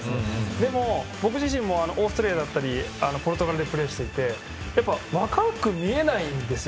でも、僕自身もオーストリアやポルトガルでプレーして若く見えないんですよ。